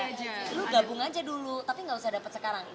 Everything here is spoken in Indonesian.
lu gabung aja dulu tapi nggak usah dapat sekarang